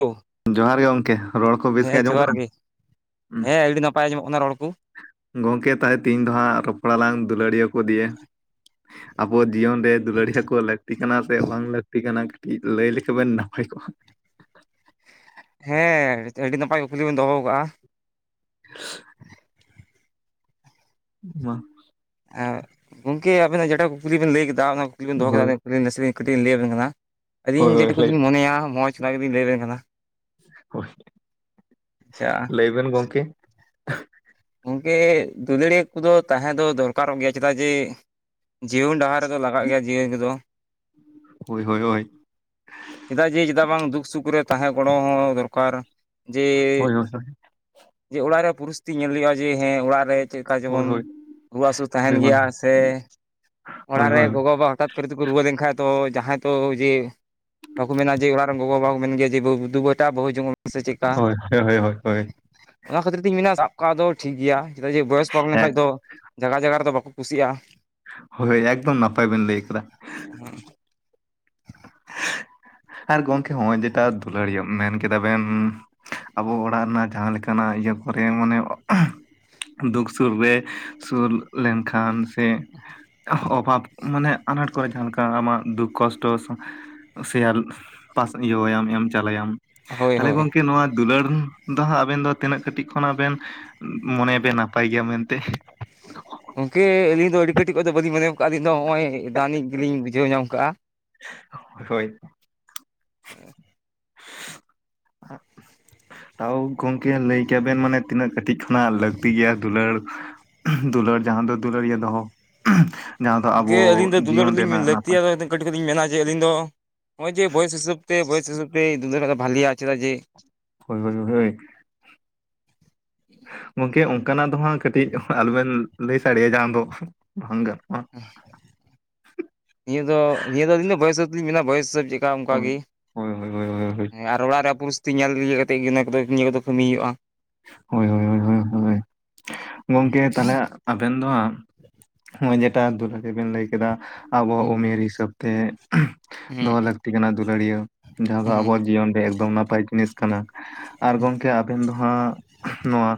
ᱚᱸ᱾ ᱡᱚᱦᱟᱨ ᱜᱮ ᱜᱚᱝᱠᱮ ᱨᱚᱲ ᱠᱚ ᱵᱮᱥ ᱜᱮ ᱟᱸᱡᱚᱢ ᱠᱟᱱᱟ? ᱦᱩᱸ ᱦᱮᱸ ᱟᱹᱰᱤ ᱱᱟᱯᱟᱭ ᱟᱸᱡᱚᱢᱚᱜ ᱠᱟᱱᱟ ᱨᱚᱲ ᱠᱚ ᱜᱚᱝᱠᱮ ᱛᱟᱦᱮ ᱛᱮᱦᱮᱧ ᱫᱚ ᱦᱟᱸᱜ ᱨᱚᱯᱚᱲ ᱞᱟᱝ ᱫᱩᱞᱟᱹᱲᱤᱭᱟᱹ ᱠᱚ ᱫᱤᱭᱮ ᱟᱵᱚ ᱡᱤᱭᱚᱱ ᱨᱮ ᱫᱩᱞᱟᱹᱲᱤᱭᱟᱹ ᱠᱚ ᱞᱟᱹᱠᱛᱤ ᱠᱟᱱᱟ ᱥᱮ ᱵᱟᱝ ᱞᱟᱹᱠᱛᱤ ᱠᱟᱱᱟ? ᱞᱟᱹᱭ ᱞᱮᱠᱷᱟᱱ ᱵᱮᱱ ᱱᱟᱯᱟᱭ ᱠᱚᱜᱼᱟ᱾ ᱦᱮᱸ ᱟᱹᱰᱤ ᱱᱟᱯᱟᱭ ᱠᱩᱠᱞᱤ ᱵᱮᱱ ᱫᱚᱦᱚ ᱠᱟᱜᱼᱟ᱾ [inaudible] ᱢᱟ ᱟᱨ ᱜᱚᱝᱠᱮ ᱟᱵᱮᱱᱟᱜ ᱡᱮᱴᱟ ᱠᱩᱠᱞᱤ ᱵᱮᱱ ᱞᱟᱹᱭ ᱠᱮᱫᱟ᱾ ᱚᱱᱟ ᱠᱩᱠᱞᱤ ᱵᱮᱱ ᱫᱚᱦᱚ ᱦᱳᱭ ᱠᱮᱫᱟ ᱱᱟᱥᱮ ᱠᱟᱹᱴᱤᱡ ᱞᱟᱹᱭ ᱟᱵᱮᱱ ᱠᱟᱱᱟ᱾ ᱟᱹᱞᱤᱧ ᱦᱳᱭ ᱡᱮ ᱦᱳᱭ ᱴᱩᱠᱩ ᱞᱟᱹᱭ ᱫᱩᱞᱤᱧ ᱢᱚᱱᱮᱭᱟ, ᱢᱚᱡᱽ ᱚᱱᱟ ᱜᱮᱵᱤᱱ ᱞᱟᱹᱭ ᱟᱵᱮᱱ ᱠᱟᱱᱟ᱾ ᱦᱳᱭ, ᱟᱪᱪᱷᱟ ᱞᱟᱹᱭ ᱵᱮᱱ ᱜᱚᱝᱠᱮ? ᱜᱚᱝᱠᱮ ᱫᱩᱞᱟᱹᱲᱤᱭᱟ ᱠᱚᱫᱚ ᱛᱟᱦᱮ ᱫᱚ ᱫᱚᱨᱠᱟᱨᱚᱜ ᱜᱮᱭᱟ ᱪᱮᱫᱟᱜ ᱡᱮ ᱡᱤᱭᱚᱱ ᱰᱟᱦᱟᱨ ᱨᱮ ᱫᱚ ᱞᱟᱜᱟᱜ ᱜᱮᱭᱟ ᱡᱤᱭᱚᱱ ᱨᱮ ᱫᱚ᱾ ᱦᱳᱭ, ᱦᱳᱭ, ᱦᱳᱭ᱾ ᱪᱮᱫᱟᱜ ᱡᱮ ᱪᱮᱫᱟᱜ ᱵᱟᱝ ᱫᱩᱠ ᱥᱩᱠ ᱨᱮ ᱛᱟᱦᱮᱸ ᱜᱚᱲᱚ ᱦᱚᱸ ᱫᱚᱨᱠᱟᱨ᱾ ᱡᱮ ᱦᱳᱭ ᱦᱳᱭ ᱡᱮ ᱚᱲᱟᱜ ᱨᱮ ᱯᱚᱨᱤᱥᱛᱷᱤᱛᱤ ᱧᱮᱞ ᱦᱳᱭᱳᱜᱼᱟ ᱡᱮ ᱦᱮᱸ ᱚᱲᱟᱜ ᱨᱮ ᱪᱮᱫ ᱞᱮᱠᱟ ᱦᱳᱭ ᱦᱳᱭ ᱦᱳᱭ ᱡᱮᱢᱚᱱ ᱨᱩᱣᱟᱹ ᱦᱟᱹᱥᱩ ᱛᱟᱦᱮᱱ ᱦᱳᱭ ᱦᱳᱭ ᱦᱳᱭ ᱜᱮᱭᱟ ᱥᱮ ᱚᱲᱟᱜ ᱦᱳᱭ ᱨᱮ ᱜᱚᱜᱚ-ᱵᱟᱵᱟ ᱦᱚᱴᱟᱛ ᱪᱟᱹᱨ ᱛᱮᱠᱚ ᱨᱩᱣᱟᱹ ᱞᱮᱱᱠᱟᱱ ᱛᱚ ᱡᱟᱦᱟᱸᱭ ᱛᱚ ᱡᱮ ᱵᱟᱠᱚ ᱢᱮᱱᱟ ᱡᱮ ᱚᱲᱟᱜ ᱨᱮᱱ ᱜᱚᱜᱚ ᱵᱟᱵᱟ ᱠᱚ ᱢᱮᱱ ᱜᱮᱭᱟ ᱡᱮ ᱵᱟᱹᱦᱩ ᱫᱩ ᱵᱮᱴᱟ ᱵᱟ. ᱦᱩ ᱡᱚᱝ ᱢᱮ ᱥᱮ ᱪᱮᱫᱠᱟ ᱦᱳᱭ, ᱦᱳᱭ, ᱦᱳᱭ, ᱦᱳᱭ᱾ ᱚᱱᱟ ᱠᱷᱟᱹᱛᱤᱨ ᱛᱤᱧ ᱢᱮᱱᱟ ᱥᱟᱵ ᱠᱟᱜ ᱫᱚ ᱴᱷᱤᱠ ᱜᱮᱭᱟ ᱪᱮᱫᱟᱜ ᱡᱮ ᱵᱚᱭᱚᱥ ᱯᱟᱨᱚᱢ ᱦᱮᱸ ᱞᱮᱠᱷᱟᱡ ᱫᱚ ᱡᱟᱜᱟ ᱡᱟᱜᱟ ᱨᱮᱫᱚ ᱵᱟᱠᱚ ᱠᱩᱥᱤᱜᱼᱟ ᱾ ᱦᱳᱭ ᱮᱠᱫᱚᱢ ᱱᱟᱯᱟᱭ ᱵᱮᱱ ᱞᱟᱹᱭ ᱠᱟᱫᱟ ᱾ [unintelligible] ᱟᱨ ᱜᱚᱝᱠᱮ ᱦᱚᱸᱜᱼᱚᱭ ᱡᱮᱴᱟ ᱫᱩᱞᱟᱹᱲᱤᱭᱟᱹ ᱢᱮᱱ ᱠᱮ ᱠᱮᱫᱟ ᱵᱮᱱ ᱟᱵᱚ ᱚᱲᱟᱜ ᱨᱮᱱᱟᱜ ᱡᱟᱦᱟᱸ ᱞᱮᱠᱟᱱᱟᱜ ᱤᱭᱟᱹ ᱠᱚᱨᱮ ᱢᱟᱱᱮ ᱫᱩᱠ ᱥᱩᱨ ᱨᱮ ᱥᱩᱨ ᱞᱮᱱ ᱠᱷᱟᱱ ᱥᱮ ᱚᱵᱷᱟᱵ ᱢᱟᱱᱮ ᱟᱱᱟᱴ ᱠᱚᱨᱮ ᱡᱟᱦᱟ ᱞᱮᱠᱟ ᱟᱢᱟᱜ ᱫᱩᱠ ᱠᱚᱥᱴᱚ ᱥᱮᱭᱟᱞ ᱯᱟᱥ ᱤᱭᱟᱹ ᱟᱭᱟᱢ ᱮᱢ ᱪᱟᱞ ᱟᱭᱟᱢ ᱦᱳᱭ ᱛᱟᱞᱦᱮ ᱦᱳᱭ ᱜᱚᱝᱠᱮ ᱱᱚᱣᱟ ᱫᱩᱞᱟᱹᱲ ᱫᱚ ᱦᱟᱸᱜ ᱟᱵᱮᱱ ᱫᱚ ᱛᱤᱱᱟᱹᱜ ᱠᱟᱹᱴᱤᱡ ᱠᱷᱚᱱᱟᱜ ᱵᱮᱱ ᱢᱚᱱᱮ ᱟᱵᱮᱱ ᱱᱟᱯᱟᱭ ᱜᱮᱭᱟ ᱢᱮᱱᱛᱮ, ᱜᱚᱝᱠᱮ ᱟᱹᱞᱤᱧ ᱫᱚ ᱟᱹᱰᱤ ᱠᱟᱹᱴᱤᱡ ᱠᱷᱚᱡ ᱫᱚ ᱵᱟᱹᱞᱤᱧ ᱢᱚᱱᱮ ᱠᱟᱜᱼᱟ ᱟᱹᱞᱤᱧ ᱫᱚ ᱱᱚᱜᱼᱚᱭ ᱫᱟᱹᱱᱤᱡ ᱜᱮᱞᱤᱧ ᱵᱩᱡᱷᱟᱹᱣ ᱧᱟᱢ ᱠᱟᱜᱼᱟ ᱾ ᱦᱳᱭ [unintelligible] [unintelligible] ᱛᱟᱣ ᱜᱚᱝᱠᱮ ᱞᱟᱹᱭ ᱠᱮᱭᱟ ᱵᱮᱱ ᱢᱟᱱᱮ ᱛᱤᱱᱟᱹᱜ ᱠᱟᱹᱴᱤᱡ ᱠᱷᱚᱱᱟᱜ ᱞᱟᱹᱠᱛᱤ ᱜᱮᱭᱟ ᱫᱩᱞᱟᱹᱲ, ᱫᱩᱞᱟᱹᱲ ᱡᱟᱦᱟ ᱫᱚ ᱫᱩᱞᱟᱹᱲᱤᱭᱟᱹ ᱫᱚᱦᱚ ᱡᱟᱦᱟ ᱫᱚ ᱜᱚᱝᱠᱮ ᱟᱵᱚ ᱟᱹᱞᱤᱧ ᱫᱚ ᱫᱩᱞᱟᱹᱲ ᱡᱤᱭᱚᱱ ᱞᱤᱧ ᱨᱮᱱᱟᱜ ᱱᱟᱯᱟᱭ ᱞᱟᱹᱠᱛᱤᱭᱟ ᱠᱟᱹᱴᱤᱡ ᱫᱚᱞᱤᱧ ᱢᱮᱱᱟ ᱡᱮ ᱟᱹᱞᱤᱧ ᱫᱚ ᱱᱚᱜᱼᱚᱭ ᱡᱮ ᱵᱚᱭᱮᱥ ᱦᱤᱥᱟᱹᱵ ᱛᱮ ᱵᱚᱭᱮᱥ ᱦᱤᱥᱟᱹᱵ ᱛᱮ ᱫᱩᱞᱟ. ᱲ ᱵᱷᱟᱞᱮᱭᱟ ᱪᱮᱫᱟᱜ ᱡᱮ [unintelligible] ᱜᱚᱝᱠᱮ ᱚᱱᱠᱟᱱᱟᱜ ᱫᱚ ᱦᱟᱸᱜ ᱠᱟᱹᱴᱤᱡ ᱟᱞᱚᱵᱮᱱ ᱞᱟᱹᱭ ᱥᱟᱰᱮᱭᱟ ᱡᱟᱦᱟ ᱫᱚ ᱵᱟᱝ ᱜᱟᱱᱚᱜᱼᱟ ᱾ ᱱᱤᱭᱟᱹ ᱫᱚ ᱱᱤᱭᱟᱹ ᱫᱚ ᱟᱹᱞᱤᱧ ᱫᱚ ᱵᱚᱭᱮᱥ ᱦᱤᱥᱟ. ᱵ ᱛᱮᱞᱤᱧ ᱢᱮᱱᱟ ᱵᱚᱭᱮᱥ ᱦᱤᱥᱟᱹᱵ ᱠᱟ ᱚᱱᱠᱟᱜ ᱦᱳᱭ ᱜᱮ ᱦᱳᱭ ᱦᱳᱭ ᱦᱳᱭ ᱦᱳᱭ ᱟᱨ ᱚᱲᱟᱜ ᱨᱮᱭᱟᱜ ᱯᱚᱨᱤᱥ ᱛᱤ ᱧᱮᱞ ᱤᱭᱟᱹ ᱠᱟᱛᱮ ᱜᱮ ᱚᱱᱟ ᱠᱚᱫᱚ ᱱᱤᱭᱟᱹ ᱠᱚᱫᱚ ᱠᱟᱹᱢᱤ ᱦᱳᱭᱳᱜᱼᱟ ᱾ ᱦᱳᱭ ᱦᱳᱭ ᱦᱳᱭ ᱦᱳᱭ ᱦᱳᱭ ᱦᱳᱭ ᱜᱚᱝᱠᱮ ᱛᱟᱦᱚᱞᱮ ᱟᱵᱮᱱ ᱫᱚ ᱦᱟᱸᱜ ᱱᱚᱜᱼᱚᱭ ᱡᱮᱴᱟ ᱫᱩᱞᱟ. ᱲ ᱵᱮᱱ ᱞᱟᱹᱭ ᱠᱮᱫᱟ ᱟᱵᱚ ᱦᱩᱸ ᱩᱢᱮᱨ ᱦᱤᱥᱟᱹᱵ ᱛᱮ ᱦᱩᱸ ᱫᱚᱦᱚ ᱞᱟᱹᱠᱛᱤ ᱠᱟᱱᱟ ᱫᱩᱞᱟᱹᱲᱤᱭᱟᱹ ᱡᱟᱦᱟᱸ ᱫᱚ ᱦᱩᱸ ᱟᱵᱚᱣᱟᱜ ᱡᱤᱭᱚᱱ ᱨᱮ ᱮᱠᱫᱚᱢ ᱱᱟᱯᱟᱭ ᱡᱤᱱᱤᱥ ᱠᱟᱱᱟ, ᱟᱨ ᱜᱚᱝᱠᱮ ᱟᱵᱮᱱ ᱫᱚ ᱦᱟᱸᱜ ᱱᱚᱣᱟ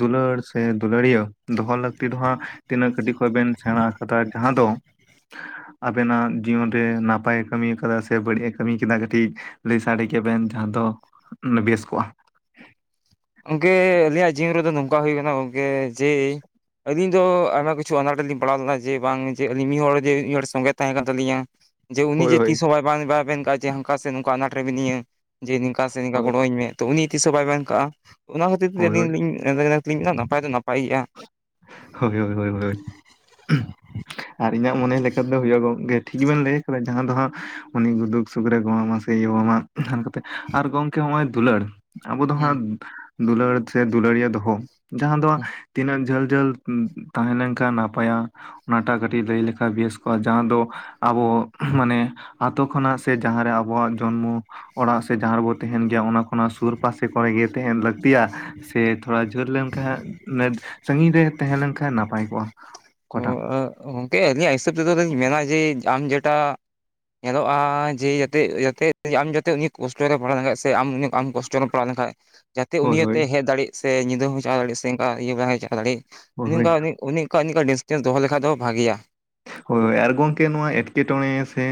ᱫᱩᱞᱟᱹᱲ ᱥᱮ ᱫᱩᱞᱟᱹᱲᱤᱭᱟᱹ ᱫᱚᱦᱚ ᱞᱟᱹᱠᱛᱤ ᱫᱚ ᱦᱟᱸᱜ ᱛᱤᱱᱟᱹᱜ ᱠᱟᱹᱴᱤᱡ ᱠᱷᱚᱱ ᱵᱮᱱ ᱥᱮᱬᱟ ᱠᱟᱫᱟ ᱡᱟᱦᱟ ᱫᱚ ᱟᱵᱮᱱ ᱱᱟᱜ ᱡᱤᱭᱚᱱ ᱨᱮ ᱱᱟᱯᱟᱭᱮ ᱠᱟᱢᱤ ᱠᱟᱫᱟ ᱥᱮ ᱵᱟᱹᱲᱤᱡ ᱮ ᱠᱟᱹᱢᱤ ᱠᱟᱫᱟ ᱠᱟᱹᱴᱤᱡ ᱞᱟᱹᱭ ᱥᱟᱰᱮ ᱠᱮᱭᱟ ᱵᱮᱱ ᱡᱟᱦᱟ ᱫᱚ ᱵᱮᱥ ᱠᱚᱜᱼᱟ? ᱜᱚᱢᱠᱮ ᱟᱞᱤᱧᱟᱜ ᱡᱤᱭᱚᱱ ᱨᱮᱫᱚ ᱱᱚᱝᱠᱟ ᱦᱩᱭ ᱠᱟᱱᱟ ᱜᱚᱢᱠᱮ ᱡᱮ ᱟᱹᱞᱤᱧ ᱫᱚ ᱟᱭᱢᱟ ᱠᱤᱪᱷᱩ ᱟᱱᱟᱴ ᱨᱮᱞᱤᱧ ᱯᱟᱲᱟᱣ ᱞᱮᱱᱟ ᱡᱮ ᱵᱟᱝ ᱡᱮ ᱟᱹᱞᱤᱧ ᱢᱤᱫ ᱦᱚᱲ ᱡᱮ ᱢᱤᱫ ᱦᱚᱲ ᱥᱚᱝᱜᱮ ᱛᱟᱦᱮ ᱠᱟᱱ ᱛᱟᱹᱞᱤᱧᱟ ᱡᱮ ᱩᱱᱤ ᱦᱳᱭ ᱡᱮ ᱦᱳᱭ ᱛᱤᱥ ᱦᱚᱸ ᱵᱟᱭ ᱵᱟᱝ ᱵᱟ ᱢᱮᱱ ᱫᱟ ᱡᱮ ᱦᱟᱱᱠᱟ ᱥᱮ ᱱᱚᱝᱠᱟ ᱟᱱᱟᱴ ᱨᱮ ᱢᱤᱱᱟᱹᱧᱟᱹ, ᱡᱮ ᱱᱤᱝᱠᱟ ᱥᱮ ᱱᱤᱝᱠᱟ ᱦᱳᱭ ᱜᱚᱲᱚ ᱟᱹᱧ ᱢᱮ ᱛᱚ ᱩᱱᱤ ᱛᱤᱥ ᱦᱚ ᱵᱟᱭ ᱢᱮᱱ ᱠᱟᱜᱼᱟ ᱚᱱᱟ ᱠᱷᱟᱹᱛᱤᱨ ᱛᱮ ᱟᱹᱞᱤᱧ ᱦᱳᱭ ᱞᱤᱧ ᱞᱟᱹᱭ ᱮᱜᱼᱟ ᱱᱟᱯᱟᱭ ᱫᱚ ᱱᱟᱯᱟᱭ ᱜᱮᱭᱟ ᱾ ᱦᱳᱭ ᱦᱳᱭ ᱦᱳᱭ ᱟᱨ ᱤᱧᱟᱹᱜ ᱢᱚᱱᱮ ᱞᱮᱠᱟ ᱛᱮᱫᱚ ᱦᱳᱭᱳᱜ ᱜᱚᱢᱠᱮ ᱴᱷᱤᱠ ᱜᱮᱵᱮᱱ ᱞᱟᱹᱭ ᱠᱟᱫᱟ ᱡᱟᱸᱦᱟ ᱫᱚ ᱦᱟᱸᱜ ᱩᱱᱤ ᱫᱩᱠᱷ ᱥᱩᱠ ᱨᱮ ᱜᱚᱲᱚᱢᱟ ᱥᱮ ᱤᱭᱟᱹᱣ ᱢᱟ ᱟᱨ ᱱᱚᱛᱮ ᱟᱨ ᱜᱚᱢᱠᱮ ᱦᱚᱸᱜᱼᱚᱭ ᱫᱩᱞᱟᱹᱲ ᱟᱵᱚ ᱫᱚ ᱦᱩᱸ ᱦᱟᱸᱜ ᱫᱩᱞᱟᱹᱲ ᱥᱮ ᱫᱩᱞᱟᱹᱲᱤᱭᱟᱹ ᱫᱚᱦᱚ ᱡᱟᱦᱟ ᱫᱚ ᱛᱤᱱᱟᱹᱜ ᱡᱷᱟᱹᱞ ᱡᱟᱹᱞ ᱛᱟᱦᱮ ᱞᱮᱱᱠᱷᱟᱱ ᱱᱟᱯᱟᱭᱟ ᱚᱱᱟᱴᱟᱜ ᱠᱟᱹᱴᱤᱡ ᱞᱟᱹᱭ ᱞᱮᱠᱷᱟᱡ ᱵᱮᱥ ᱠᱚᱜᱼᱟ ᱡᱟᱦᱟ ᱫᱚ ᱟᱵᱚ ᱢᱟᱱᱮ ᱟᱛᱳ ᱠᱷᱚᱱᱟᱜ ᱥᱮ ᱡᱟᱸᱦᱟᱨᱮ ᱟᱵᱚᱣᱟᱜ ᱡᱚᱱᱢᱚ ᱚᱲᱟᱜ ᱥᱮ ᱡᱟᱦᱟ ᱨᱮᱵᱚ ᱛᱟᱦᱮᱱ ᱜᱮᱭᱟ ᱚᱱᱟ ᱠᱷᱚᱱᱟᱜ ᱥᱩᱨ ᱯᱟᱥᱮ ᱠᱚᱨᱮ ᱜᱮ ᱛᱟᱦᱮᱱ ᱞᱟᱹᱠᱛᱤᱭᱟ ᱥᱮ ᱛᱷᱚᱲᱟ ᱡᱷᱟᱹᱞ ᱞᱮᱱᱠᱷᱟᱡ ᱥᱟᱺᱜᱤᱧ ᱨᱮ ᱛᱟᱦᱮ ᱞᱮᱱᱠᱷᱟᱱ ᱱᱟᱯᱟᱭ ᱠᱚᱜᱼᱟ᱾ ᱚ ᱚᱠᱟᱴᱟᱜ ᱜᱚᱢᱠᱮ ᱟᱹᱞᱤᱧᱟᱜ ᱦᱤᱥᱟᱹᱵᱽ ᱛᱮᱫᱚ ᱞᱤᱧ ᱢᱮᱱᱟ ᱡᱮ ᱟᱢ ᱡᱮᱴᱟ ᱧᱮᱞᱚᱜᱼᱟ ᱡᱮ ᱡᱟᱛᱮ, ᱡᱟᱛᱮ ᱟᱢ ᱡᱟᱛᱮ ᱩᱱᱤ ᱠᱚᱥᱴᱚᱭ ᱨᱮ ᱯᱟᱲᱟᱣ ᱞᱮᱠᱷᱟᱡ ᱥᱮ ᱟᱢ ᱩᱱᱤ ᱵᱟᱢ ᱠᱚᱥᱴᱚᱼᱼ ᱚᱞᱚᱜ ᱯᱟᱲᱦᱟᱣ ᱞᱮᱱᱠᱷᱟᱡ, ᱡᱟᱛᱮ ᱩᱱᱤ ᱦᱳᱭ ᱦᱳᱭ ᱟᱛᱤᱧ ᱦᱮᱡ ᱫᱟᱹᱲᱤᱜ ᱥᱮ ᱧᱤᱫᱟᱹ ᱦᱚᱸ ᱪᱟᱞᱟ ᱫᱟᱲᱤᱜ, ᱥᱮ ᱚᱱᱠᱟ ᱤᱭᱟᱹ ᱵᱟᱝ ᱪᱟᱠᱟ ᱫᱟᱲᱤᱜᱼᱼ ᱦᱳᱭ ᱦᱳᱭ ᱚᱱᱠᱟ ᱩᱱᱤ, ᱩᱱᱤ ᱚᱱᱠᱟ ᱰᱤᱥᱴᱮᱱᱥ ᱫᱚᱦᱚ ᱞᱮᱠᱷᱟᱡ ᱫᱚ ᱵᱷᱟᱜᱤᱭᱟ ᱾ ᱦᱳᱭ, ᱟᱨ ᱜᱚᱢᱠᱮ ᱱᱚᱣᱟ ᱮᱴᱠᱮᱴᱚᱬᱮ ᱥᱮ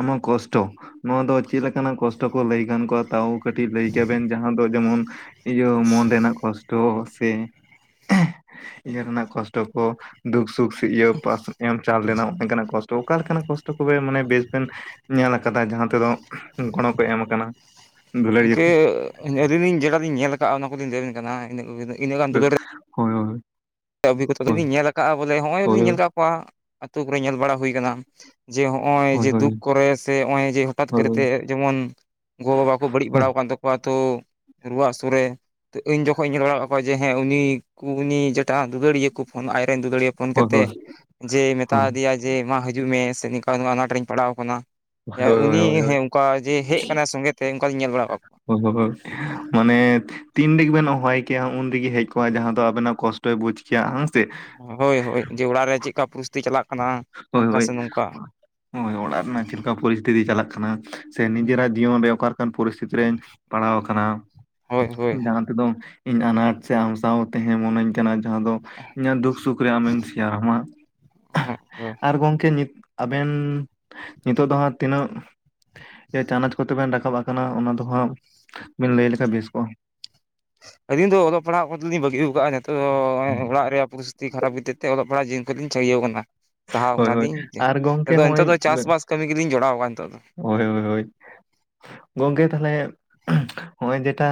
ᱟᱢᱟᱜ ᱠᱚᱥᱴᱚᱼᱼ ᱱᱚᱣᱟ ᱫᱚ ᱪᱮᱫ ᱞᱮᱠᱟᱱᱟᱜ ᱠᱚᱥᱴᱚ ᱠᱚ ᱞᱟᱹᱭ ᱜᱟᱱ ᱠᱚᱜᱼᱟ ᱛᱟᱣ? ᱠᱟᱹᱴᱤᱡ ᱞᱟᱹᱭ ᱠᱮᱭᱟᱵᱤᱱ ᱡᱟᱦᱟᱸ ᱫᱚ ᱡᱮᱢᱚᱱ, ᱤᱭᱟᱹ ᱢᱚᱱ ᱨᱮᱱᱟᱜ ᱠᱚᱥᱼᱼ ᱴᱚ ᱥᱮ [unintelligible] ᱤᱭᱟᱹ ᱨᱮᱱᱟᱜ ᱠᱚᱥᱴᱚ ᱠᱚ, ᱫᱩᱠ ᱥᱩᱠᱼᱼ ᱤᱭᱟᱹ ᱯᱟᱥ ᱮᱢ ᱪᱟᱞ ᱞᱮᱱᱟ ᱱᱚᱝᱠᱟᱱᱟᱜ ᱠᱚᱥᱼᱼ ᱴᱚ ᱚᱠᱟ ᱞᱮᱠᱟᱱᱟᱜ ᱠᱚᱥᱴᱚ ᱠᱚᱵᱮᱱ, ᱢᱟᱱᱮ ᱵᱮᱥ ᱵᱮᱱ ᱧᱮᱞ ᱟᱠᱟᱫᱟ ᱡᱟᱸᱦᱟ ᱛᱮᱫᱚᱼᱼ ᱜᱚᱲᱚ ᱠᱚᱭ ᱮᱢ ᱠᱟᱱᱟ, ᱫᱩᱞᱟᱹᱲᱤᱭᱟᱹ ᱤᱱᱠᱟᱹ ᱾ ᱟᱹᱞᱤᱧ ᱞᱤᱧ ᱡᱮ ᱞᱮᱠᱟᱞᱤᱧ ᱧᱮᱞ ᱠᱟᱜᱼᱟ, ᱚᱱᱟ ᱠᱚᱞᱤᱧ ᱞᱟᱹᱭ ᱟᱵᱮᱱ ᱠᱟᱱᱟ ᱤᱱᱟᱹᱜ ᱠᱚᱜᱮ ᱤᱱᱟᱹᱼᱼ ᱦᱳᱭ ᱦᱳᱭ [unintelligible] ᱚᱵᱷᱤᱜᱽᱜᱚᱛᱟ ᱦᱳᱭ ᱫᱚᱞᱤᱧ ᱧᱮᱞ ᱠᱟᱜᱼᱟ ᱵᱚᱞᱮ ᱦᱚᱸᱜ ᱚᱭ ᱞᱤᱧ ᱧᱮᱞ ᱠᱟᱜ ᱠᱚᱣᱟ, ᱟᱛᱩ ᱠᱚᱨᱮ ᱧᱮᱞ ᱵᱟᱲᱟ ᱦᱩᱭᱼᱼ [unintelligible] ᱡᱮ ᱦᱚᱸᱜᱼᱚᱭ ᱦᱳᱭ ᱦᱳᱭ ᱡᱮ ᱫᱩᱠ ᱦᱳᱭ ᱠᱚᱨᱮ ᱥᱮ ᱦᱚᱸᱜᱼᱚᱭ ᱡᱮ ᱦᱚᱴᱟᱛ ᱦᱳᱭ ᱦᱳᱭ ᱠᱚᱨᱮᱛᱮ ᱡᱮᱢᱚᱱᱼᱼ ᱜᱚ ᱵᱟᱵᱟ ᱠᱚ ᱵᱟᱹᱲᱤᱡ ᱦᱳᱭ ᱵᱟᱲᱟᱣ ᱠᱟᱱ ᱛᱟᱠᱚ ᱾ ᱣᱟ ᱛᱚ, ᱨᱩᱣᱟᱹ ᱦᱟᱥᱩ ᱨᱮ, ᱤᱧ ᱡᱚᱠᱷᱚᱡ ᱤᱧ ᱧᱮᱞ ᱵᱟᱲᱟᱣ ᱠᱚᱣᱟ ᱡᱮ ᱦᱮᱸ ᱩᱱᱤ, ᱠᱩᱨᱱᱤ ᱡᱟᱹᱼᱼ ᱡᱟᱸᱦᱟ ᱫᱩᱞᱟᱹᱲᱤᱭᱟᱹ ᱠᱚ ᱯᱷᱳᱱ ᱟᱡᱨᱮᱱ ᱫᱩᱞᱟᱹᱲᱤᱭᱟᱹ ᱯᱷᱳᱱ ᱦᱳᱭ ᱦᱳᱭ ᱠᱟᱛᱮᱜ, ᱦᱳᱭ ᱡᱮ ᱢᱮᱛᱟ ᱫᱮᱭᱟᱭᱼᱼ ᱡᱮ ᱢᱟ ᱦᱤᱡᱩᱜ ᱢᱮ, ᱥᱮ ᱱᱤᱝᱠᱟ ᱱᱚᱣᱟ ᱟᱱᱟᱴ ᱨᱮᱧ ᱯᱟᱲᱟᱣ ᱠᱟᱱᱟ ᱾ ᱦᱳᱭ ᱦᱳᱭ ᱦᱮ ᱦᱳᱭ ᱦᱳᱭ ᱦᱳᱭ ᱩᱱᱤ ᱦᱳᱭ ᱦᱳᱭ ᱦᱳᱭ ᱦᱮᱸ ᱚᱱᱠᱟ ᱡᱮ ᱦᱮᱡ ᱠᱟᱱᱟᱭ ᱥᱚᱸᱜᱮᱛᱮ ᱚᱱᱠᱟᱞᱤᱧ ᱧᱮᱞ ᱵᱟᱲᱟᱣ ᱠᱟᱜᱼᱼ ᱦᱳ ᱦᱳᱭ ᱢᱟᱱᱮ [unintelligible] ᱛᱤᱱ ᱨᱮᱜᱤ ᱵᱮᱱ ᱦᱚᱦᱚᱣᱟᱭ ᱠᱮᱭᱟ ᱩᱱ ᱨᱮᱜᱤ ᱦᱮᱡ ᱠᱚᱜᱼᱟᱭ ᱡᱟᱸᱦᱟ ᱫᱚ ᱟᱵᱮᱱᱟᱜ ᱠᱚᱥᱴᱚᱭ ᱵᱩᱡᱽ ᱠᱮᱭᱟ ᱦᱩᱸ ᱥᱮ ᱾ ᱦᱳᱭ ᱦᱳᱭ ᱡᱮ ᱚᱲᱟᱜ ᱨᱮ ᱪᱮᱫᱠᱟ ᱯᱚᱨᱤᱥᱛᱤ ᱪᱟᱞᱟᱜᱼᱼ ᱦᱳᱭ ᱦᱟᱱᱠᱟ ᱦᱳᱭ ᱥᱮ ᱱᱚᱝᱠᱟᱼᱼ ᱦᱳᱭ ᱚᱲᱟᱜ ᱨᱮᱱᱟᱜ ᱪᱮᱫᱠᱟ ᱯᱚᱨᱤᱥᱛᱷᱤᱛᱤ ᱪᱟᱞᱟᱜ ᱠᱟᱱᱟ, ᱥᱮ ᱱᱤᱡᱮᱨᱟᱜ ᱡᱤᱭᱚᱱ ᱨᱮ ᱚᱠᱟ ᱞᱮᱠᱟᱱ ᱯᱚᱨᱤᱥᱛᱷᱤᱛᱤ ᱨᱮᱧᱼᱼ ᱯᱟᱲᱟᱣ ᱟᱠᱟᱱᱟ, ᱦᱳᱭ ᱦᱳᱭ ᱡᱟᱸᱦᱟ ᱛᱮᱫᱚᱼᱼ ᱤᱧ ᱟᱱᱟᱴ ᱥᱮ ᱟᱢ ᱥᱟᱶ ᱛᱟᱸᱦᱮ ᱢᱚᱱᱟᱹᱧ ᱠᱟᱱᱟ ᱡᱟᱸᱦᱟ ᱫᱚ, ᱤᱧᱟᱹᱜ ᱫᱩᱠ ᱥᱩᱠ ᱨᱮ ᱟᱢᱮᱧ ᱥᱮᱭᱟᱨᱟᱢᱟ ᱾ ᱚᱸᱦᱚᱸᱜ [unintelligible] ᱟᱨ ᱜᱚᱢᱠᱮ ᱱᱤᱛ ᱟᱵᱮᱱ, ᱱᱤᱛᱚᱜ ᱫᱚ ᱦᱟᱸᱜ ᱛᱤᱱᱟᱹᱜᱼᱼ ᱡᱮ ᱪᱟᱱᱟᱪ ᱠᱚᱛᱮ ᱵᱮᱱ ᱨᱟᱠᱟᱵ ᱠᱟᱱᱟ ᱚᱱᱟ ᱫᱚ ᱦᱟᱸᱜ, ᱵᱮᱱ ᱞᱟᱹᱭ ᱞᱮᱠᱷᱟᱡ ᱵᱮᱥ ᱠᱚᱜᱼᱟ ᱾ ᱟᱹᱞᱤᱧ ᱫᱚ ᱚᱞᱚᱜ ᱯᱟᱲᱦᱟᱜ ᱠᱚᱫᱚᱞᱤᱧ ᱵᱟᱹᱜᱤᱣ ᱠᱟᱜᱼᱟ ᱱᱤᱛᱚᱜ ᱫᱚ ᱱᱚᱜᱼᱚᱭ ᱚᱲᱟᱜ ᱨᱮᱭᱟᱜ ᱯᱚᱨᱤᱥᱼᱼ ᱛᱤ ᱠᱷᱟᱨᱟᱯ ᱠᱷᱟᱹᱛᱤᱨ ᱛᱮ ᱚᱞᱚᱜ ᱯᱟᱲᱦᱟᱜ ᱡᱤᱭᱚᱱ ᱠᱷᱚᱡ ᱞᱤᱧ ᱥᱟᱹᱜᱤᱣ ᱠᱟᱱᱟ ᱾ ᱥᱟᱦᱟᱣ ᱦᱳᱭ ᱦᱳᱭ ᱠᱟᱱᱟᱞᱤᱧ, ᱡᱮ ᱟᱨ ᱜᱚᱝᱠᱮ ᱟᱫᱚ ᱱᱤᱛᱚᱜ ᱦᱚᱸᱜᱼᱚᱭ ᱫᱚ ᱪᱟᱥᱵᱟᱥ ᱠᱟᱹᱢᱤ ᱜᱮᱞᱤᱧ ᱡᱚᱲᱟᱣ ᱠᱟᱱᱟ ᱾ ᱱᱤᱛᱚᱜ ᱫᱚ ᱦᱳᱭ ᱦᱳᱭ ᱦᱳᱭ [inaudible] ᱜᱚᱝᱠᱮ ᱛᱟᱦᱚᱞᱮ, [unintelligible] ᱱᱚᱜᱼᱚᱭ ᱡᱮᱴᱟ,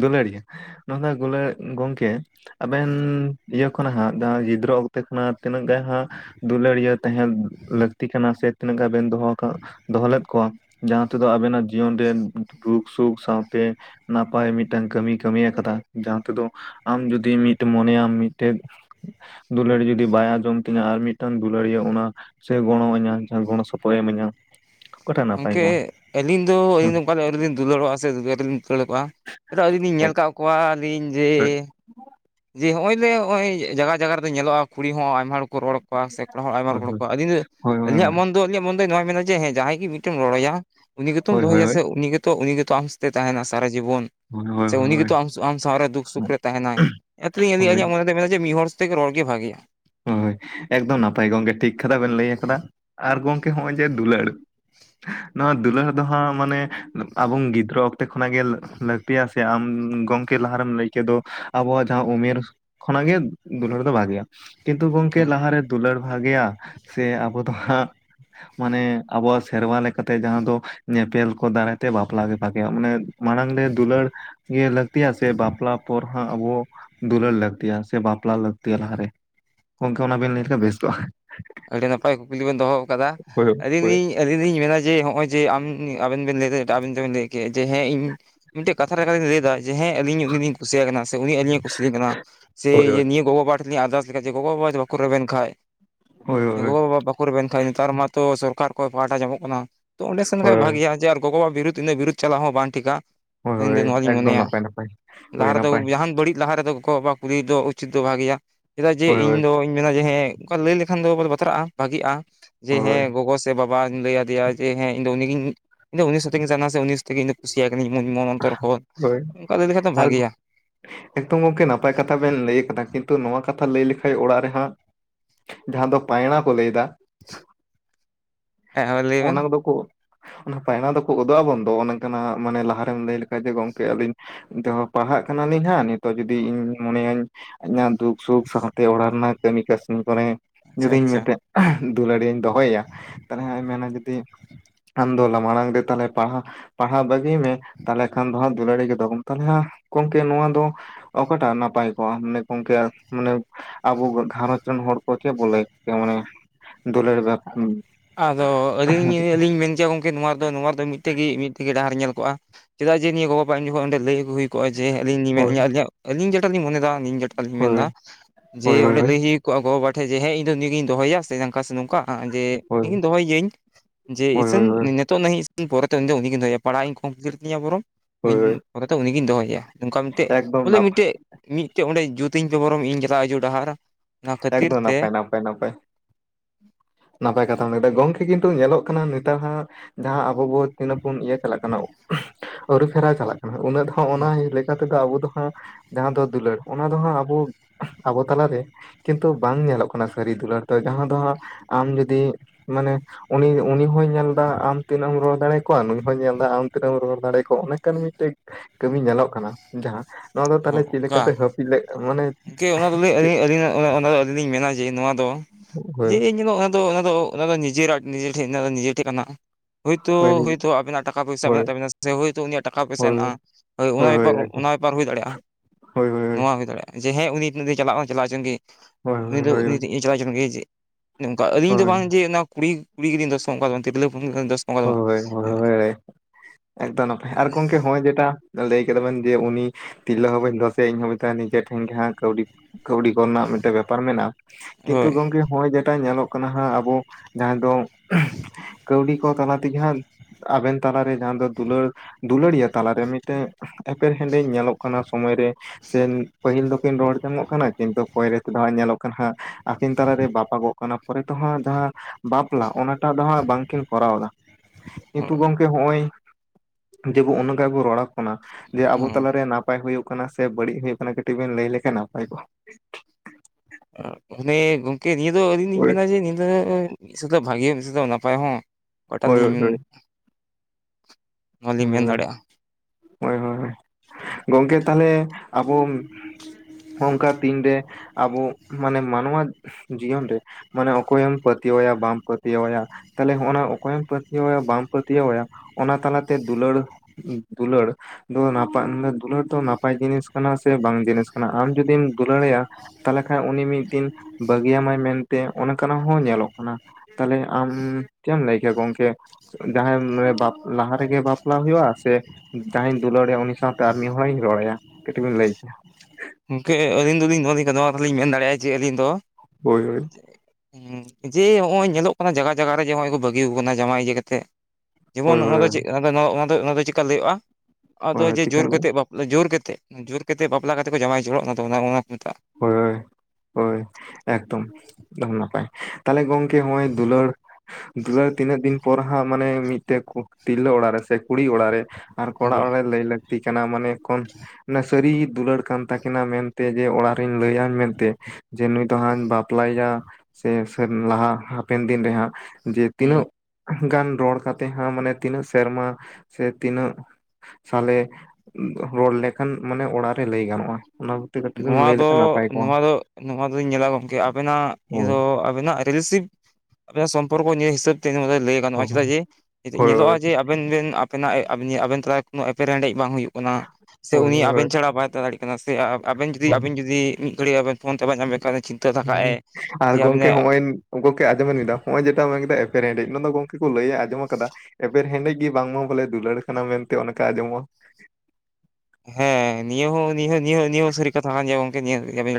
ᱫᱩᱞᱟᱹᱲᱤᱭᱟᱹᱼᱼ ᱱᱚᱣᱟ ᱫᱚ ᱜᱚᱞᱮᱜ ᱜᱚᱝᱠᱮ ᱾ ᱟᱵᱮᱱ ᱤᱭᱟᱹ ᱠᱷᱚᱱᱟᱜ ᱦᱟᱸᱜ ᱜᱤᱫᱽᱨᱟᱹ ᱚᱠᱛᱮ ᱠᱷᱚᱱᱟᱜ ᱛᱤᱱᱟᱹᱜ ᱜᱟᱱᱼᱼ ᱮᱸᱜ, ᱫᱩᱞᱟᱹᱲᱤᱭᱟᱹ ᱛᱟᱦᱮᱸᱱ ᱞᱟᱹᱠᱛᱤ ᱠᱟᱱᱟ ᱥᱮ ᱛᱤᱱᱟᱹᱜ ᱜᱟᱱ ᱵᱮᱱ ᱫᱚᱦᱚ ᱟᱠᱟᱜᱼᱟ? ᱫᱚᱦᱚ ᱞᱮᱫ ᱠᱚᱣᱟ, ᱡᱟᱦᱟᱸ ᱛᱮᱫᱚ ᱟᱵᱮᱱᱟᱜ ᱡᱤᱭᱚᱱ ᱨᱮ ᱫᱩᱠ ᱥᱩᱠ ᱥᱟᱶᱛᱮᱼᱼ ᱱᱟᱯᱟᱭ ᱢᱤᱫᱴᱟᱝ ᱠᱟᱹᱢᱤᱭ ᱠᱟᱹᱢᱤ ᱟᱠᱟᱫᱟ, ᱡᱟᱦᱟᱸ ᱛᱮᱫᱚᱼᱼ ᱟᱢ ᱡᱩᱫᱤ ᱱᱤᱛ ᱢᱚᱱᱮᱭᱟᱢ ᱢᱤᱫᱴᱮᱡ ᱫᱩᱞᱟᱹᱲᱤᱭᱟᱹ ᱡᱩᱫᱤ ᱵᱟᱭ ᱟᱸᱡᱚᱢᱼᱼ ᱛᱤᱧᱟ ᱟᱨ ᱢᱤᱫᱴᱟᱝ ᱫᱩᱞᱟᱹᱲᱤᱭᱟᱹ ᱚᱱᱟ, ᱥᱮ ᱜᱚᱲᱚ ᱟᱹᱧᱟ ᱡᱟᱦᱟᱸ ᱜᱚᱲᱚ ᱥᱚᱯᱚᱦᱚᱫ ᱮ ᱤᱢᱟᱹᱧᱟ ᱾ ᱜᱚᱢᱠᱮ ᱟᱹᱞᱤᱧ ᱫᱚ, ᱟᱹᱞᱤᱧ ᱦᱳᱭ ᱫᱚ ᱚᱱᱠᱟ ᱟᱹᱣᱨᱤ ᱞᱤᱧ ᱫᱩᱞᱟᱹᱲᱚᱜᱼᱟ ᱥᱮᱼᱼ ᱟᱹᱲ ᱠᱚᱣᱟ, ᱮᱴᱟᱜ ᱟᱹᱞᱤ ᱞᱤᱧ ᱦᱳᱭ ᱧᱮᱞ ᱟᱠᱟᱫ ᱠᱚᱣᱟᱞᱤᱧ ᱡᱮᱼᱼ ᱦᱳᱭ ᱡᱮ ᱱᱚᱜ ᱚᱭ ᱡᱮ ᱱᱚᱜ ᱚᱭ ᱡᱟᱭᱜᱟ ᱡᱟᱭᱜᱟ ᱨᱮᱫᱚ ᱧᱮᱞᱚᱜᱼᱟ, ᱠᱩᱲᱤ ᱦᱚᱸ ᱟᱭᱢᱟ ᱦᱚᱲᱼᱼ ᱨᱚᱲ ᱠᱚᱣᱟ ᱥᱮ ᱠᱚᱲᱟ ᱦᱚᱲ ᱟᱭᱢᱟ ᱨᱚᱲ ᱦᱳᱭ ᱠᱚᱣᱟ ᱟᱹᱞᱤᱧ ᱦᱳᱭ ᱫᱚᱞᱤᱧ ᱦᱳᱭ ᱢᱚᱱ ᱫᱚ ᱢᱚᱱ ᱫᱚ ᱠᱨᱚᱲᱚ ᱯᱟᱥ [unintelligible] ᱟᱭᱢᱟ ᱦᱚᱲ ᱠᱚ ᱤᱧᱟᱜ ᱢᱚᱱ ᱫᱚ ᱤᱧᱟ ᱢᱚᱱ ᱫᱚ ᱱᱚᱣᱟ ᱢᱮᱱᱟ ᱡᱮ ᱡᱟᱦᱟᱸᱭ ᱜᱮᱼᱼ ᱨᱚᱲᱭᱟ ᱩᱱᱤ ᱜᱮᱛᱚᱢ ᱦᱳᱭ ᱦᱳᱭ ᱫᱚᱦᱮᱭᱟ ᱥᱮ ᱦᱳᱭ ᱩᱱᱤ ᱜᱮᱛᱚ ᱩᱱᱤ ᱜᱮᱚ ᱟᱢ, ᱛᱮ ᱛᱟᱦᱮᱱᱟ ᱥᱟᱨᱟ ᱡᱤᱵᱚᱱ ᱦᱳᱭ ᱥᱮ ᱩᱱᱤ ᱜᱮᱛᱚ ᱟᱢ ᱟᱢ ᱥᱟᱶᱨᱮ ᱫᱩᱠ ᱥᱩᱠ ᱨᱮ ᱛᱟᱦᱮᱱᱟᱭ ᱾ ᱮ ᱦᱳᱭ ᱦᱳᱭ ᱛᱚᱞᱤᱧ ᱢᱚᱱᱮ ᱢᱮᱱᱟ ᱢᱤᱫ ᱦᱚᱲ ᱥᱜᱮ ᱨᱚᱲ ᱜᱮ ᱵᱷᱟᱹᱜᱮᱜᱭᱟ ᱾ ᱦᱳᱭᱳᱭ ᱮᱠᱫᱚᱢ ᱱᱟᱯᱟᱭ ᱜᱚᱢᱠᱮ ᱴᱷᱤᱠ ᱠᱟᱛᱷᱟ ᱵᱮᱱ ᱞᱟᱹᱭ ᱟᱠᱟᱫᱟ ᱟᱨ ᱜᱚᱢᱠᱮ ᱱᱚᱜᱼᱚᱭ ᱡᱮ ᱫᱩᱞᱟᱹᱲ, ᱱᱚᱣᱟ ᱫᱩᱞᱟᱹᱲ ᱫᱚ ᱦᱟᱸᱜ ᱢᱟᱱᱮ ᱟᱵᱚ ᱜᱤᱫᱽᱨᱟᱹ ᱚᱠᱛᱚ, [inaudible] ᱠᱷᱚᱱᱟᱜ ᱜᱮ ᱞᱟᱹᱠᱛᱤᱭᱟ ᱥᱮ ᱟᱢ ᱜᱚᱝᱠᱮ, ᱞᱟᱦᱟᱨᱮᱢ ᱞᱟᱹᱭ ᱠᱮᱫ ᱫᱚ ᱟᱵᱚᱣᱟᱜ ᱡᱟᱦᱟᱸ ᱩᱢᱮᱨ ᱠᱷᱚᱱᱟᱜ ᱜᱮ ᱫᱩᱞᱟᱹᱲ ᱫᱚ ᱵᱷᱟᱜᱮᱭᱟ ᱾ ᱠᱤᱱᱛᱩ ᱜᱚᱝᱠᱮ ᱦᱮᱸ ᱞᱟᱦᱟᱨᱮ ᱫᱩᱞᱟᱹᱲ ᱵᱷᱟᱜᱮᱭᱟ ᱥᱮ ᱟᱵᱚ ᱫᱚ ᱦᱟᱸᱜ, ᱢᱟᱱᱮ ᱟᱵᱚᱣᱟᱜ ᱥᱮᱨᱣᱟ ᱞᱮᱠᱟᱛᱮ ᱡᱟᱦᱟᱸ ᱫᱚ ᱧᱮᱯᱮᱞ ᱠᱚ ᱫᱟᱨᱟᱭ, ᱛᱮ ᱵᱟᱯᱞᱟᱟᱜ ᱜᱮ ᱵᱷᱟᱜᱮᱭᱟ, ᱢᱟᱱᱮ ᱢᱟᱲᱟᱝ ᱨᱮ ᱫᱩᱞᱟᱹᱲ ᱜᱮᱭ ᱞᱟᱹᱠᱛᱤᱭᱟ ᱥᱮ ᱵᱟᱯᱞᱟ ᱯᱚᱨ? ᱦᱸ ᱟᱵᱚ ᱫᱩᱞᱦᱟᱹᱲ ᱞᱟᱜᱛᱤᱭᱟ ᱥᱮ ᱵᱟᱯᱞᱟ ᱞᱟᱜᱛᱤ ᱞᱟᱦᱟᱨᱮ, ᱜᱚᱢᱠᱮ ᱚᱱᱟ ᱵᱮᱤᱱ ᱞᱟᱹᱭ ᱞᱮᱠᱷᱟᱱᱡ ᱵᱮᱥ ᱠᱚᱜᱼᱟ? ᱟᱹᱰᱤ ᱱᱟᱯᱟᱭ ᱠᱩᱠᱞᱤ ᱵᱱ ᱫᱚᱦᱚ ᱟᱠᱟᱫᱟ ᱦᱳᱭ ᱟᱹᱞᱤᱧ ᱦᱳᱭ ᱞᱤᱧ, ᱟᱹᱞᱤᱧ ᱞᱤᱧ ᱢᱮᱱᱟ ᱡᱮ ᱱᱚᱜᱼᱚᱭ ᱡᱮ ᱟᱢ ᱟᱵᱮᱱ ᱵᱮᱱ ᱞᱟᱹᱭ ᱫᱟᱲᱮ ᱟᱵᱮᱱ ᱫᱚᱵᱮᱱ ᱞᱟᱹᱭ ᱠᱮᱫᱼᱟ ᱡᱮ ᱦᱮᱸ ᱤᱧ, ᱢᱤᱫᱴᱮᱡ ᱠᱟᱛᱷᱟ ᱞᱮᱠᱟᱞᱤᱧ ᱞᱟᱹᱭᱫᱟ ᱡᱮᱸ ᱦᱮ ᱟᱞᱤᱧᱚᱜᱧᱼᱼ ᱠᱩᱥᱤᱭᱟᱭ ᱠᱟᱱᱟ ᱥᱮ ᱩᱱᱤᱭ ᱟᱹᱞᱤᱧᱮ ᱠᱩᱥᱞᱤ ᱠᱟᱱᱟ ᱥᱮ ᱦᱳᱭ ᱦᱳᱭ ᱱᱤᱭᱟᱹ ᱜᱚᱜᱚ ᱵᱟᱵᱟ ᱟᱨᱫᱟᱥ, ᱡᱮ ᱜᱚᱼᱵᱟ ᱫᱚ ᱵᱟᱠᱚ ᱨᱮᱵᱮᱱ ᱠᱷᱟᱡ, ᱦᱳᱭ ᱦᱳᱭ ᱜᱚᱜᱚᱼᱵᱟᱵᱟ ᱵᱟᱠᱚ ᱨᱮᱵᱮᱱ ᱠᱷᱟᱡ ᱱᱮᱛᱟᱨ ᱢᱟᱛᱚ ᱥᱚᱨᱠᱟᱨ ᱠᱷᱚᱱᱚᱡ ᱯᱟᱦᱴᱟ ᱧᱟᱢᱚᱜ ᱠᱟᱱᱟ ᱾ ᱛᱚ ᱚᱸᱰᱮᱱ ᱠᱷᱡ ᱦᱳᱭ ᱵᱷᱟᱜᱮᱭᱟ ᱡᱮ ᱟᱨ ᱜᱚᱜᱼᱵᱟ ᱵᱤᱨᱩᱫ ᱤᱱᱟᱹ ᱵᱤᱨᱩᱫᱽ ᱪᱟᱞᱟ ᱦᱚᱸ ᱵᱟᱝ ᱴᱷᱤᱠᱟ ᱾ ᱦᱳᱭ ᱟᱹᱞᱤᱧ ᱫᱚ ᱦᱳᱭ ᱱᱚᱣᱟ ᱞᱤᱧ ᱮᱠᱫᱚᱢ ᱢᱚᱱᱮᱭᱟ ᱱᱟᱯᱟᱭ ᱱᱟᱯᱟᱭ ᱦᱳᱭ ᱞᱟᱦᱟ ᱨᱮᱫᱚ ᱱᱟᱯᱟᱭ ᱡᱟᱦᱟᱱ ᱵᱟᱹᱲᱤᱡ ᱞᱟᱦᱟ ᱨᱮᱫᱚ ᱜᱚᱵᱟ, ᱯᱩᱞᱤ ᱫᱚ ᱩᱪᱤᱛ ᱫᱚ ᱵᱷᱟᱜᱮᱭᱟ ᱪᱮᱫᱟᱜ ᱡᱮ ᱦᱳᱭ ᱦᱳᱭ ᱤᱧ ᱫᱚᱧ ᱢᱮᱱᱟ ᱡᱮᱸ ᱚᱱᱠᱟ ᱞᱟᱹᱭ, ᱠᱷᱟᱱ ᱫᱚ ᱵᱟᱛᱨᱟᱜᱼᱟ ᱵᱷᱟᱹᱜᱤᱜᱼᱟ ᱡᱮ ᱦᱳᱭ ᱦᱮᱸ ᱜᱚᱜᱚ ᱥᱮ ᱵᱟᱵᱟᱧ ᱞᱟᱹᱭ ᱟᱫᱮᱭᱟ ᱡᱮ ᱤᱧ ᱩᱱᱤᱜᱤᱧᱼᱼ ᱤᱧᱫᱚ ᱩᱱᱤ ᱥᱟᱛᱮᱜ ᱜᱧ ᱪᱟᱱᱟ ᱥᱮ ᱩᱱᱤ ᱥᱟᱶᱛᱮᱜᱮ ᱤᱧ ᱠᱩᱥᱤᱭᱟᱜ ᱠᱟᱹᱱᱟᱧ ᱢᱚᱱᱚᱨ ᱠᱚ ᱦᱳᱭ ᱚᱱᱠᱟ ᱞᱟᱹᱭ ᱞᱮᱠᱷᱟᱱ ᱫᱚ ᱟᱨ ᱵᱷᱟᱜᱮᱭᱟ ᱾ ᱮᱠᱫᱚᱢ ᱜᱚᱝᱠᱮ ᱱᱟᱯᱟᱭ ᱠᱟᱛᱷᱟ ᱵᱮᱱ ᱞᱟᱹᱭ ᱟᱠᱟᱫᱟ ᱠᱤᱱᱛᱩ ᱱᱚᱣᱟ ᱠᱟᱛᱷᱟ ᱞᱟᱹᱭ ᱞᱮᱠᱟᱱ ᱚᱲᱟᱜ ᱨᱮᱦᱟᱸ, ᱡᱟᱦᱟᱸ ᱫᱚ ᱯᱟᱭᱲᱟ ᱠᱚ ᱞᱟᱹᱭ ᱮᱫᱟ ᱾ [unintelligible] ᱦᱮᱸ ᱦᱮᱸ ᱞᱟᱹᱭ ᱵᱮᱱ ᱚᱱᱟ ᱠᱚᱫᱚᱠᱚ, ᱚᱱᱟ ᱯᱟᱭᱱᱟ ᱫᱚᱠᱚ ᱩᱫᱚᱜ ᱟᱵᱚᱱᱫᱚ ᱚᱱᱠᱟᱱᱟᱜ ᱢᱟᱱᱮ ᱞᱟᱦᱟᱨᱮᱢ ᱞᱟᱹᱭ ᱞᱮᱠᱷᱷᱟᱡᱮ ᱜᱚᱝᱠᱮ ᱟᱹᱞᱤᱧ, ᱮᱦ ᱯᱟᱲᱦᱟᱜ ᱠᱟᱱᱟᱞᱤᱧ ᱦᱟᱸᱜ ᱱᱤᱛᱚᱜ ᱡᱩᱚᱫᱤ ᱤᱧ ᱢᱚᱱᱮᱭᱟᱹᱧ, ᱫᱩᱠ ᱥᱩᱠ ᱥᱟᱶᱛᱮ ᱚᱲᱟᱜ ᱨᱮᱱᱟᱜ ᱠᱟᱹᱢᱤ ᱠᱟᱹᱥᱱᱤ ᱠᱚᱨᱮ ᱟᱪᱪᱷᱟ ᱡᱩᱫᱤᱧ ᱟᱪᱪᱷᱟ ᱢᱮᱛᱟᱜ, ᱫᱩᱞᱟᱹᱲᱤᱭᱟᱹᱧ ᱫᱚᱦᱚᱭᱮᱭᱟ ᱛᱟᱦᱞᱮᱜ ᱤᱧ ᱢᱮᱱᱟ ᱡᱩᱫᱤ, ᱟᱢᱫᱚᱞᱟ ᱢᱟᱲᱟᱝ ᱛᱮ ᱛᱟᱞᱮ ᱯᱟᱲᱟ᱾ ᱯᱟᱲᱦᱟᱣ ᱵᱟᱹᱜᱤᱭ ᱢᱮ ᱛᱟᱦᱚᱞᱮ ᱠᱷᱟᱱ ᱫᱚ ᱦᱟᱸᱜ ᱫᱩᱞᱟᱹᱲᱤ ᱜᱚᱫᱚᱜ ᱛᱟᱦᱚᱞᱮ ᱦ ᱜᱚᱢᱠᱮ ᱱᱚᱣᱟ ᱫᱚ, ᱚᱠᱟᱴᱟᱜ ᱱᱟᱯᱟᱭ ᱠᱚᱜᱼᱟ ᱢᱟᱱᱮ ᱜᱚᱝᱠᱮ ᱢᱟᱱᱮ? ᱟᱵᱚ ᱜᱷᱟᱨᱚᱸᱡᱽ ᱨᱮᱱ ᱦᱚᱲ ᱠᱚ ᱪᱮ ᱵᱮ ᱢᱟᱱᱮᱼᱼ ᱫᱩᱞᱟᱹᱲ [inaudible] ᱟᱫᱚ ᱟᱹᱞᱤᱧ ᱟᱹᱞᱤᱧ ᱢᱮᱱ ᱠᱮᱭᱟ ᱜᱚᱝᱠᱮ ᱱᱚᱣᱟ ᱱᱚᱣᱟ ᱢᱤᱫᱮ ᱢᱤᱫ ᱜᱮ ᱰᱟᱦᱟᱨ ᱧᱮᱞ ᱠᱚᱜ ᱪᱮᱫᱟᱜ ᱡᱮ ᱱᱤᱭᱟᱹ ᱜ ᱵᱟᱵᱟ ᱩᱱ ᱡᱚᱠᱷᱚᱱ ᱚᱰᱮ ᱞᱟᱹᱭ ᱟᱹᱜᱩ ᱦᱩᱭ ᱠᱚᱼᱟ ᱾ ᱠᱚᱜᱼᱟ ᱡᱮ ᱟᱹᱞᱤᱧ ᱦᱳᱭ ᱟᱹᱞᱤᱧ ᱡᱮᱴᱟ ᱞᱤᱧ ᱢᱚᱱᱮᱫᱟ ᱟᱹᱞᱤᱧ ᱡᱮᱴᱟ ᱞᱤᱧ ᱢᱮᱱᱫᱟ ᱦᱳᱭ ᱡᱮ ᱦᱳᱭ ᱦᱳᱭ ᱚᱸᱰᱮ ᱦᱳᱭ ᱞᱟᱹᱭ ᱦᱩᱭᱩᱜᱼᱟ ᱜᱚ ᱵᱟᱵᱟ ᱴᱷᱮᱡ ᱦᱮᱸ ᱤᱧ ᱫᱚ ᱱᱩᱭ ᱜᱮᱧ ᱫᱚᱦᱚᱭᱮᱭᱟ ᱥᱮ ᱦᱟᱝᱠᱟ ᱥᱮ ᱱᱚᱝᱠᱟ ᱡᱮ ᱦᱳᱭ ᱤᱧ ᱫᱚᱦᱚᱭᱮᱭᱟᱹᱧ ᱡᱮ ᱦᱳᱭ ᱦᱳᱭ ᱤᱥᱤᱱ ᱦᱳᱭ ᱱᱤᱛᱚᱜ ᱱᱟᱦ ᱤᱥᱤᱱ ᱯᱚᱨᱮ ᱫᱚ ᱩᱱᱤ ᱜᱤᱧ ᱫᱚᱦᱚᱭᱮᱭᱟ ᱯᱟᱹᱲᱦᱟᱹᱜ ᱤᱧ ᱠᱚᱢᱯᱞᱤᱴ ᱛᱤᱧᱟᱹ ᱵᱚᱨᱚᱝ ᱦᱳᱭ ᱤᱧ ᱦᱳᱭ ᱯᱚᱨᱮᱛᱮ ᱩᱱᱤᱜᱤᱧ ᱫᱚᱦᱚᱭᱮᱭᱟ ᱱᱚᱝᱠᱟ ᱢᱤᱫᱴᱮᱡ ᱮᱠᱫᱚᱢ ᱵᱚᱞᱮ ᱱᱟᱯᱟᱭ ᱢᱤᱫᱴᱮᱡ ᱢᱤᱫᱴᱮᱱ ᱚᱸᱰᱮ ᱡᱩᱛᱤᱧ ᱯᱮ ᱵᱚᱨᱚᱢ ᱤᱧ ᱪᱟᱞᱟᱜ ᱦᱤᱡᱩᱜ ᱰᱟᱸᱦᱟᱨᱼᱼ ᱮᱠᱫᱚᱢ ᱱᱟᱯᱟᱭ ᱱᱟᱯᱟᱭ ᱱᱟᱯᱟᱭ ᱱᱟᱯᱟᱭ ᱠᱟᱛᱷᱟᱢ ᱞᱟᱹᱭ ᱫᱟ ᱜᱚᱢᱠᱮ ᱠᱤᱱᱛᱩ ᱛᱚ, ᱧᱮᱞᱚᱜ ᱠᱟᱱᱟ ᱱᱮᱛᱟᱨ ᱦᱟᱸᱜ, ᱡᱟᱦᱟᱸ ᱟᱵᱚ ᱵᱚ, ᱛᱤᱱᱟᱹ ᱵᱚᱱ ᱤᱭᱟᱹ ᱪᱟᱞᱟᱜ ᱠᱟᱱᱟ, ᱷᱩᱸᱜ ᱟᱹᱨᱩᱯᱷᱮᱨᱟᱣ ᱪᱟᱞᱟᱜ ᱠᱟᱱᱟ ᱩᱱᱟᱹᱛ ᱦᱚᱸ ᱚᱱᱟ ᱞᱮᱠᱟ ᱛᱮᱫᱚ, ᱟᱵᱚ ᱫᱚ ᱟᱸᱻᱡᱟᱦᱟᱸ ᱫᱚ ᱫᱩᱞᱟᱹᱲ, ᱚᱱᱟ ᱫᱚ ᱦᱟᱸᱜ, ᱮᱸᱷ ᱟᱵᱚ, ᱟᱵᱚ ᱛᱟᱞᱟᱨᱮ ᱠᱤᱱᱛᱩ, ᱵᱟᱝ ᱧᱮᱞᱚᱜ ᱠᱟᱱᱟ ᱥᱟᱹᱨᱤ ᱫᱩᱞᱟᱹᱲ ᱫᱚ, ᱡᱟᱦᱟᱸ ᱫᱚ ᱦᱟᱸᱜ, ᱟᱢ ᱡᱩᱫᱤ, ᱢᱟᱱᱮ ᱩᱱᱤ, ᱩᱱᱤ ᱦᱚᱭ ᱧᱮᱞ ᱮᱫᱟ, ᱟᱢ ᱛᱤᱱᱟᱹᱜ ᱮᱢ, ᱨᱚᱲ ᱫᱟᱲᱮᱭᱟᱠᱚᱣᱟ, ᱱᱩᱭ ᱦᱚᱭ ᱧᱮᱞ ᱮᱫᱟ, ᱟᱢ ᱛᱤᱱᱟᱹᱜ ᱮᱢ, ᱨᱚᱲ ᱫᱟᱲᱮᱭᱟᱠᱚᱣᱟ, ᱚᱱᱮᱠᱟᱱ ᱢᱤᱫᱴᱮᱡ ᱠᱟᱹᱢᱤ ᱧᱮᱞᱚᱜ ᱠᱟᱱᱟ, ᱡᱟᱦᱟᱸ ᱱᱚᱣᱟ ᱫᱚ ᱚᱸᱻ ᱛᱟᱦᱚᱞᱮ ᱪᱮᱫ ᱚᱱᱠᱟ, ᱞᱮᱠᱟᱛᱮ ᱦᱟᱹᱯᱤᱫ ᱞᱮ ᱢᱟᱱᱮ ᱜᱚᱢᱠᱮ, ᱚᱱᱟ ᱫᱚ ᱟᱹᱞᱤᱧ, ᱟᱹᱞᱤᱧ ᱟᱹᱞᱤᱧ, ᱫᱚ ᱟᱹᱞᱤᱧ ᱞᱤᱧ ᱢᱮᱱᱟ, ᱡᱮ, ᱱᱚᱣᱟ ᱫᱚ ᱦᱳᱭ ᱡᱮ, ᱤᱧ ᱧᱮᱞᱚᱜ, ᱚᱱᱟ ᱫᱚ, ᱚᱱᱟ ᱚᱱᱟ ᱫᱚ, ᱱᱤᱡᱮᱨᱟᱜ, ᱱᱤᱡᱮᱨ ᱴᱷᱮᱡ, ᱚᱱᱟ ᱫᱚ, ᱱᱤᱡᱮᱨ ᱴᱷᱮᱱ ᱠᱟᱱᱟ ᱦᱳᱭ ᱛᱳ, ᱦᱳᱭᱛᱳ ᱟᱹᱵᱤᱱᱟᱜ ᱴᱟᱠᱟ ᱯᱚᱭᱥᱟ ᱦᱳᱭ ᱢᱮᱱᱟᱜ ᱛᱟᱵᱮᱱᱟ, ᱥᱮ ᱦᱳᱭᱛᱳ ᱩᱱᱤᱭᱟᱜ, ᱴᱟᱠᱟ ᱯᱚᱭᱥᱟ ᱦᱳᱭ ᱢᱮᱱᱟᱜᱼᱟ ᱦᱳᱭ, ᱚᱱᱟ ᱵᱮᱯᱟᱨ, ᱚᱱᱟ ᱵᱮᱯᱟᱨ ᱦᱩᱭ ᱫᱟᱲᱮᱭᱟᱜᱼᱟ ᱦᱳᱭ ᱦᱳᱭ ᱟᱦᱼᱱᱚᱣᱟ ᱦᱩᱭ ᱫᱟᱲᱮᱭᱟᱜᱼᱟ, ᱡᱮ, ᱦᱮᱸ ᱩᱱᱤ ᱛᱤᱱᱟᱹᱜ ᱫᱤᱱ ᱪᱟᱞᱟᱜᱼᱟ, ᱪᱟᱞᱟᱣ ᱦᱚᱪᱚ ᱜᱮ ᱦᱳᱭ ᱦᱳᱭ ᱩᱱᱤ ᱫᱚ ᱩᱱᱤ ᱦᱳᱭ ᱛᱷᱮᱡ, ᱪᱟᱞᱟᱣ ᱦᱚᱪᱚ ᱮᱱ ᱜᱮ, ᱡᱮ ᱱᱚᱝᱠᱟ ᱟᱹᱞᱤᱧ ᱫᱚ ᱵᱟᱝ ᱡᱮ ᱚᱱᱟ ᱠᱩᱲᱤ ᱠᱩᱲᱤ ᱜᱤᱞᱤᱧ ᱫᱚᱥ ᱠᱚ, ᱚᱱᱠᱟ ᱫᱚ ᱵᱟᱝ, ᱛᱤᱨᱞᱟᱹ ᱦᱚᱯᱚᱱ ᱜᱮᱞᱟᱝ ᱫᱳᱥ ᱠᱚᱣᱟ ᱚᱱᱠᱟ ᱫᱚ ᱵᱟᱝ᱾ ᱦᱳᱭ, ᱦᱳᱭ, ᱮᱠᱫᱚᱢ ᱱᱟᱯᱟᱭ ᱟᱨ ᱜᱚᱝᱠᱮ, ᱦᱚᱸᱜᱼᱚᱭ ᱡᱮᱴᱟ ᱞᱟᱹᱭ ᱠᱮᱫᱟᱵᱮᱱ ᱡᱮ, ᱩᱱᱤ ᱛᱤᱨᱞᱟᱹ ᱦᱚᱸ ᱵᱟᱹᱧ ᱫᱳᱥᱮᱭᱟ, ᱤᱧ ᱦᱚᱸ ᱵᱟᱧ ᱛᱟᱦᱮᱸᱱᱟ, ᱱᱤᱡᱮ ᱴᱷᱮᱱ ᱜᱮ ᱦᱟᱸᱜ, ᱠᱟᱹᱣᱰᱤ, ᱠᱟᱹᱣᱰᱤ ᱵᱚᱞ ᱨᱮᱱᱟᱜ ᱢᱤᱫᱴᱮᱱ ᱵᱮᱯᱟᱨ ᱢᱮᱱᱟᱜᱼᱟ, ᱠᱤᱱᱛᱩ ᱦᱳᱭ ᱜᱚᱝᱠᱮ, ᱦᱚᱜᱼᱚᱸᱭ ᱡᱮᱴᱟ ᱧᱮᱞᱚᱜ ᱠᱟᱱᱟ ᱦᱟᱸᱜ, ᱟᱵᱚ ᱡᱟᱦᱟᱸ ᱫᱚ ᱩᱸᱷᱻ ᱦᱟᱸᱜ, ᱠᱟᱹᱣᱰᱤ ᱠᱚ ᱛᱟᱞᱟ ᱛᱮᱜᱮ ᱦᱟᱸᱜ, ᱟᱵᱮᱱ ᱛᱟᱞᱟᱨᱮ ᱡᱟᱦᱟᱸ ᱫᱚ, ᱫᱩᱞᱟᱹᱲ ᱫᱩᱞᱟᱹᱲᱤᱭᱟᱹ ᱛᱟᱞᱟᱨᱮ ᱢᱤᱫᱴᱮᱡ, ᱮᱯᱮᱨᱦᱮᱸᱰᱮᱡ ᱧᱮᱞᱚᱜ ᱠᱟᱱᱟ, ᱥᱚᱢᱚᱭ ᱨᱮ ᱥᱮᱱ ᱯᱟᱹᱦᱤᱞ ᱫᱚᱠᱤᱱ ᱨᱚᱲ ᱡᱚᱱᱚᱜ ᱠᱟᱱᱟ, ᱠᱤᱱᱛᱩ ᱯᱭᱚᱨᱮ ᱛᱮᱫᱚ, ᱧᱮᱞᱚᱜ ᱠᱟᱱᱟ ᱦᱟᱸᱜ, ᱟᱹᱠᱤᱱ ᱛᱟᱞᱟᱨᱮ ᱵᱟᱯᱟᱜᱚᱜ ᱠᱟᱱᱟ ᱾ ᱯᱚᱨᱮ ᱛᱮᱦᱚᱸ, ᱡᱟᱦᱟᱸ ᱵᱟᱯᱞᱟ, ᱚᱱᱟᱴᱟᱜ ᱫᱚ ᱦᱟᱸᱜ, ᱵᱟᱝᱠᱤᱱ ᱠᱚᱨᱟᱣ ᱮᱫᱟ ᱾ ᱠᱤᱱᱛᱩ ᱜᱚᱝᱠᱮ, ᱦᱚᱸᱜᱼᱚᱭ ᱡᱮ ᱵᱚ ᱚᱱᱠᱟ ᱵᱚ ᱨᱚᱲᱟ ᱡᱮ, ᱟᱵᱚ ᱛᱟᱞᱟᱨᱮ, ᱱᱟᱯᱟᱭ ᱦᱩᱭᱩᱜ ᱠᱟᱱᱟ, ᱥᱮ ᱵᱟᱹᱲᱤᱡ ᱦᱩᱭᱩᱜ ᱠᱟᱱᱟ, ᱠᱟᱹᱴᱤᱡ, ᱵᱮᱱ ᱞᱟᱹᱭ ᱞᱮᱠᱷᱟᱱ ᱱᱟᱯᱟᱭ ᱠᱚᱜᱼᱟ ᱾ ᱟ ᱼ, ᱚᱱᱮ ᱜᱚᱝᱠᱮ ᱱᱤᱭᱟᱹ ᱫᱚ, ᱟᱹᱞᱤᱧ ᱞᱤᱧ ᱦᱳᱭ ᱢᱮᱱᱟ, ᱡᱮ, ᱱᱤᱭᱟᱹ ᱫᱚ ᱢᱤᱫ ᱥᱮᱫ ᱫᱚ ᱵᱷᱟᱸᱜᱮᱭᱟ, ᱢᱤᱫ ᱥᱮᱫ ᱫᱚ ᱱᱟᱯᱟᱭ ᱦᱚᱸ, ᱚᱠᱟᱴᱟᱜ ᱦᱳᱭ ᱞᱤᱧ ᱦᱳᱭ ᱱᱚᱣᱟ ᱞᱤᱧ ᱢᱮᱱ ᱦᱳᱭ ᱫᱟᱲᱮᱭᱟᱜᱼᱟ ᱾ ᱦᱳᱭ ᱦᱚᱭ ᱦᱳᱭ, ᱜᱚᱝᱠᱮ ᱛᱟᱦᱟᱞᱮ ᱟᱵᱚ ᱚᱱᱠᱟ ᱛᱤᱱᱨᱮ, ᱟᱵᱚ ᱢᱟᱱᱮ, ᱢᱟᱱᱣᱟᱹ ᱡᱤᱭᱚᱱ ᱨᱮ ᱢᱟᱱᱮ, ᱚᱠᱚᱭᱮᱢ ᱯᱟᱹᱛᱭᱟᱹᱟᱭᱟ, ᱵᱟᱢ ᱯᱟᱹᱛᱭᱟᱹᱟᱭᱟ, ᱛᱟᱦᱚᱞᱮ, ᱚᱠᱚᱭᱮᱢ ᱯᱟᱹᱛᱭᱟᱹᱟᱭᱟ, ᱵᱟᱢ ᱯᱟᱹᱛᱭᱟᱹᱟᱭᱟ, ᱚᱱᱟ ᱛᱟᱞᱟᱛᱮ ᱫᱩᱞᱟᱹᱲ ᱫᱩᱞᱟᱹᱲ, ᱫᱚ ᱱᱟᱯᱟᱭ ᱫᱩᱞᱟᱹᱲ ᱫᱚ ᱱᱟᱯᱟᱭ ᱡᱤᱱᱤᱥ ᱠᱟᱱᱟ, ᱥᱮ ᱵᱟᱝ ᱡᱤᱱᱤᱥ ᱠᱟᱱᱟ, ᱟᱢ ᱡᱩᱫᱤᱢ ᱫᱩᱞᱟᱹᱲ ᱟᱭᱟ ᱛᱟᱦᱟᱞᱮ, ᱠᱷᱟᱡ ᱩᱱᱤ ᱢᱤᱫ ᱫᱤᱱ, ᱵᱟᱹᱜᱤᱭᱟᱢᱟᱭ ᱢᱮᱱᱛᱮ, ᱚᱱᱠᱟᱱᱟᱜ ᱦᱚᱸ ᱧᱮᱞᱚᱜ ᱠᱟᱱᱟ ᱾ ᱛᱟᱦᱟᱞᱮ, ᱟᱢ ᱪᱮᱫ ᱮᱢ ᱞᱟᱹᱭ ᱠᱮᱭᱟ ᱜᱚᱝᱠᱮ? ᱡᱟᱦᱟᱸᱭ ᱞᱟᱦᱟ ᱨᱮᱜᱮ ᱵᱟᱯᱞᱟ ᱦᱩᱭᱩᱜᱼᱟ, ᱥᱮ ᱡᱟᱦᱟᱸᱭᱤᱧ ᱫᱩᱞᱟᱹᱲ ᱟᱭᱟ, ᱩᱱᱤ ᱥᱟᱶᱛᱮ ᱟᱨ ᱢᱤᱫ ᱦᱚᱲᱤᱧ ᱨᱚᱲ ᱟᱭᱟ, ᱠᱟᱹᱴᱤᱡ ᱵᱤᱱ ᱞᱟᱹᱭ ᱠᱮᱭᱟ ᱾ ᱜᱚᱝᱠᱮ, ᱟᱹᱞᱤᱧ ᱫᱚᱞᱤᱧ, [unintelligible] ᱱᱚᱣᱟᱞᱤᱧ ᱢᱮᱱ ᱫᱟᱲᱮᱭᱟᱜᱼᱟ, ᱡᱮ ᱟᱹᱞᱤᱧ ᱫᱚ ᱦᱳᱭ ᱦᱳᱭ ᱾ ᱡᱮ ᱦᱚᱸᱜᱼᱚᱭ ᱧᱮᱞᱚᱜ ᱠᱟᱱᱟ, ᱡᱟᱭᱜᱟ ᱡᱟᱭᱜᱟ ᱨᱮ, ᱦᱚᱸᱜᱼᱚᱭ ᱠᱚ, ᱵᱟᱹᱜᱤ ᱭᱟᱠᱚ ᱠᱟᱱᱟ, ᱡᱟᱢᱟᱭ ᱤᱭᱟᱹ ᱠᱟᱛᱮ ᱦᱳᱭ ᱡᱮᱢᱚᱱ ᱚᱱᱟ ᱦᱳᱭ ᱫᱚ, ᱱᱚᱣᱟ ᱫᱚ ᱪᱮᱫ ᱚᱱᱟ ᱫᱚ ᱪᱮᱫᱠᱟ ᱞᱟᱹᱭ ᱚᱜᱼᱟ, ᱦᱳᱭ ᱟᱫᱚ ᱦᱳᱭ ᱡᱮ ᱡᱳᱨ ᱴᱷᱤᱠᱟᱹᱱ ᱦᱳᱭ ᱠᱟᱛᱮ ᱵᱟᱯ ᱡᱳᱨ ᱠᱟᱛᱮᱫ, ᱡᱳᱨ ᱠᱟᱛᱮᱫ ᱵᱟᱯᱞᱟ ᱠᱟᱛᱮ ᱠᱚ, ᱡᱟᱶᱟᱭ ᱪᱟᱵᱟᱜ ᱠᱟᱱᱟ, ᱛᱟᱵᱚ ᱚᱱᱟ, ᱚᱱᱟ ᱠᱚ ᱢᱮᱛᱟᱜᱼᱟ ᱾ ᱦᱳᱭ, ᱦᱳᱭ, ᱦᱚᱭ ᱮᱠᱫᱚᱢ, ᱮᱠᱫᱚᱢ ᱱᱟᱯᱟᱭ ᱾ ᱛᱟᱦᱟᱞᱮ, ᱜᱚᱝ ᱝᱠᱮ ᱦᱚᱸᱜᱼᱚᱭ, ᱫᱩᱞᱟᱹᱲ, ᱫᱩᱞᱟᱹᱲ ᱛᱤᱱᱟᱹᱜ ᱫᱤᱱ ᱯᱚᱨ ᱦᱟᱸᱜ, ᱢᱟᱱᱮ ᱢᱤᱫᱴᱮᱡ ᱛᱤᱨᱞᱟᱹ ᱚᱸᱴᱲᱟᱜ ᱨᱮ, ᱥᱮ ᱠᱩᱲᱤ ᱚᱲᱟᱜ ᱨᱮ, ᱟᱨ ᱠᱚᱲᱟ ᱦᱳᱭ ᱚᱲᱟᱜ ᱨᱮ, ᱞᱟᱹᱭ ᱞᱮ ᱞᱟᱹᱠᱛᱤ ᱠᱟᱱᱟ ᱾ ᱢᱟᱱᱮ ᱮᱠᱷᱚᱱ, ᱥᱟᱹᱨᱤ ᱫᱩᱞᱟᱹᱲ ᱠᱟᱱ ᱛᱟᱹᱠᱤᱱᱟ, ᱢᱮᱱᱛᱮ ᱡᱮ, ᱚᱲᱟᱜ ᱯᱤᱭᱟᱧ ᱞᱟᱹᱭᱟᱧ ᱢᱮᱱᱛᱮ, ᱡᱮ ᱱᱩᱭ ᱫᱚ ᱦᱟᱸᱜ, ᱤᱧ ᱵᱟᱯᱞᱟ ᱭᱮᱭᱟ ᱥᱮ ᱥᱮᱨ ᱞᱟᱦᱟ, ᱦᱟᱯᱮᱱ ᱫᱤᱱ ᱨᱮ ᱦᱟᱸᱜ, ᱡᱮ ᱦᱩᱸ ᱛᱤᱱᱟᱹᱜ ᱜᱟᱱ ᱨᱚᱲ ᱠᱟᱛᱮᱜ ᱦᱟᱸᱜ ᱢᱟᱱᱮ ᱛᱤᱱᱟᱹᱜ ᱥᱮᱨᱢᱟ ᱥᱮ ᱛᱤᱱᱟᱹᱜ, ᱥᱟᱞᱮ ᱨᱚᱲ ᱞᱮᱠᱷᱟᱱ ᱢᱟᱱᱮ ᱚᱲᱟᱜ ᱨᱮ ᱞᱟᱹᱭ ᱜᱟᱱᱚᱜ-ᱟ᱾ ᱚᱱᱟ ᱵᱚᱛᱮ ᱠᱟᱹᱴᱤᱡ ᱵᱮᱱ ᱞᱟᱹᱭ ᱞᱮᱠᱷᱟᱱ -ᱛᱳᱜ ᱱᱟᱯᱟᱭ ᱠᱚᱜᱼᱟ ᱱᱚᱣᱟ ᱫᱚ ᱱᱚᱣᱟ ᱫᱩᱧ ᱧᱮᱞᱟ ᱜᱚᱝᱠᱮ ᱟᱵᱮᱱᱟᱜ ᱦᱳᱭ ᱤᱭᱟᱹᱫᱚ ᱟᱵᱮᱱᱟᱜ ᱨᱤᱥᱤᱯᱴ ᱟᱵᱮᱱᱟᱜ ᱥᱚᱢᱯᱚᱨᱠᱚ ᱧᱮᱞ ᱦᱤᱥᱟᱹᱵᱽ ᱛᱮ ᱞᱟᱹᱭ ᱜᱟᱱᱚᱜ-ᱟ ᱪᱮᱫᱟᱜ ᱡᱮ ᱱᱤᱛᱚᱜ ᱦᱳᱭ ᱧᱮᱞᱚᱜ-ᱟ ᱡᱮ ᱟ- -ᱟᱵᱮᱱ ᱵᱮᱱ ᱟᱯᱮᱱᱟᱜ ᱟᱵᱮᱱ ᱛᱚᱞᱟ ᱨᱮ ᱠᱳᱱᱳ ᱮᱯᱮᱨᱦᱮᱸᱰᱮᱡ ᱵᱟᱝ ᱦᱩᱭᱩᱜ ᱠᱟᱱᱟ᱾ ᱥᱮ ᱦᱳᱭ ᱩᱱᱤ ᱦᱳᱭ ᱟᱵᱮᱱ ᱪᱷᱟᱲᱟ ᱵᱟᱭ ᱛᱟᱦᱮᱸ ᱫᱟᱲᱮᱭᱟᱜ ᱠᱟᱱᱟ ᱥᱮ ᱟᱵᱮᱱ ᱡᱩᱫᱤ ᱦᱳᱭ ᱟᱵᱮᱱ ᱡᱩᱫᱤ ᱢᱤᱫ ᱜᱷᱟᱹᱲᱤᱡ ᱟᱵᱮᱱ ᱯᱷᱳᱱ ᱛᱮ ᱵᱟᱭ ᱧᱟᱢ ᱵᱤᱱ ᱠᱷᱟᱱᱮ ᱪᱤᱱ- ᱦᱩᱭ ᱟᱨ ᱜᱚᱝᱠᱮ ᱦᱚᱜ-ᱚᱭ ᱩᱱᱠᱩ ᱠᱮ ᱟᱫᱚ ᱵᱮᱱ ᱞᱮᱫᱟ ᱱᱚᱜ-ᱚᱭ ᱡᱮᱴᱟ ᱢᱮᱱ ᱠᱮᱫᱟ ᱮᱯᱮᱨᱦᱮᱸᱰᱮᱡ ᱱᱚᱣᱟ ᱫᱚ ᱜᱚᱝᱠᱮ ᱠᱚ ᱞᱟᱹᱭᱟ ᱟᱸᱡᱚᱢ ᱠᱟᱫᱟ ᱮᱯᱮᱨ-ᱦᱮᱸᱰᱮᱡ -ᱵᱟᱝᱢᱟ ᱵᱚᱞᱮ ᱫᱩᱞᱟᱹᱲ ᱠᱟᱱᱟ ᱢᱮᱱᱛᱮ ᱚᱱᱠᱟ ᱟᱸᱡᱚᱢᱚᱜᱼᱟ᱾ ᱦᱮᱸ ᱱᱤᱭᱟᱹ ᱦᱚᱸ ᱱᱤᱭᱟᱹ ᱱᱤᱭᱟᱹ ᱦᱚᱸ ᱱᱤᱭᱟᱹ ᱦᱚᱸ ᱥᱟᱹᱨᱤ ᱠᱟᱛᱷᱟ ᱠᱟᱱ ᱜᱮᱭᱟ ᱡᱮ ᱜᱚᱝᱠᱮ ᱧᱮᱞᱮᱫ ᱜᱮᱭᱟᱵᱤᱱ᱾